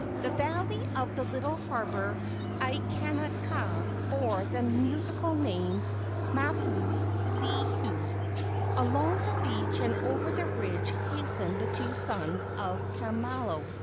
The valley of the little harbor Aikanaka bore the musical name Mapu lehu. Along the beach and over the ridge has¬ tened the two sons of Kamalo.